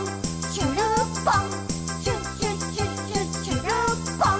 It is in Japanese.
しゅるっぽん！」